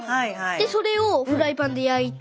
でそれをフライパンで焼いて。